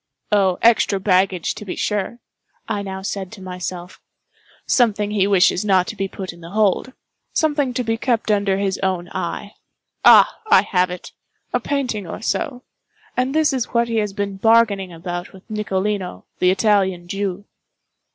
"Oh, extra baggage, to be sure," I now said to myself—"something he wishes not to be put in the hold—something to be kept under his own eye—ah, I have it—a painting or so—and this is what he has been bargaining about with Nicolino, the Italian Jew."